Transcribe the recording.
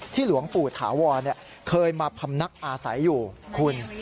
หลวงปู่ถาวรเคยมาพำนักอาศัยอยู่คุณ